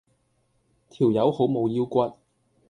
條友好冇腰骨